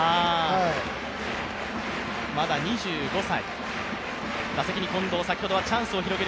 まだ２５歳。